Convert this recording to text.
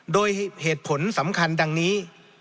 โดยเหตุผลสำคัญดังนี้